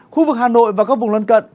khu vực hà nội và các vùng lân cận